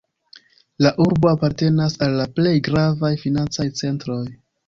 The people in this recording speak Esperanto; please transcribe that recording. La urbo apartenas al la plej gravaj financaj centroj.